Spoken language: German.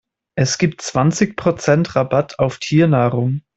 Es gibt zwanzig Prozent Rabatt auf Tiernahrung.